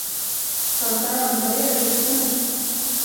Fanns det anhöriga eller vittnen?